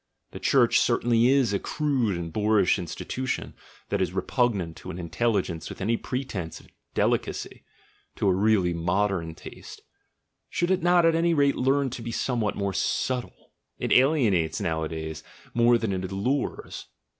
The Church certainly is a crude and boorish institution, that is repugnant to an intelligence with any pretence at "GOOD AND EVIL," "GOOD AND BAD" 17 delicacy, to a really modern taste. Should it not at any rate learn to be somewhat more subtle? It alienates nowadays, more than it allures.